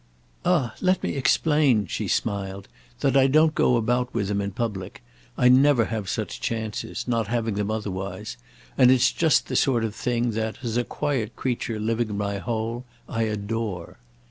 "Ah, let me explain," she smiled, "that I don't go about with him in public; I never have such chances—not having them otherwise—and it's just the sort of thing that, as a quiet creature living in my hole, I adore."